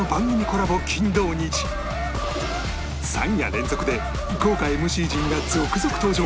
３夜連続で豪華 ＭＣ 陣が続々登場